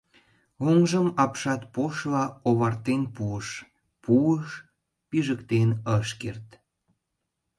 Оҥжым апшат пошла овартен пуыш, пуыш — пижыктен ыш керт.